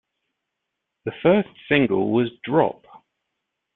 The first single was "Drop".